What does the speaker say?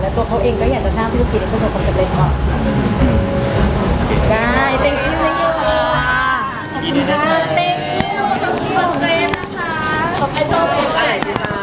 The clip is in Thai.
และตัวเขาเองก็อยากจะช่ามที่ทุกคนสังคมจะเล่นได้